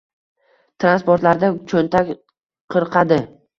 Transportlarda cho‘ntak qirqadi.